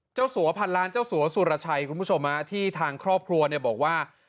สัวพันล้านเจ้าสัวสุรชัยคุณผู้ชมที่ทางครอบครัวเนี่ยบอกว่า